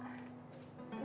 tapi dia orang baik